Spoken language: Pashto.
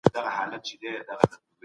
زه اوس د سبا لپاره د لغتونو زده کړه کوم.